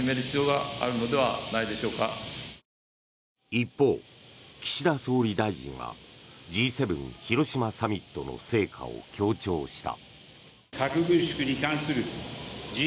一方、岸田総理大臣はＧ７広島サミットの成果を強調した。